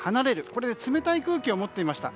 これが冷たい空気を持っていました。